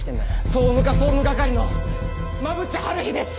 総務課総務係の馬淵悠日です！